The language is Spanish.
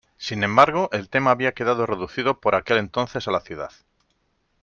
Sin embargo, el tema había quedado reducido por aquel entonces a la ciudad.